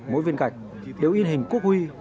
mỗi viên gạch đều yên hình quốc huy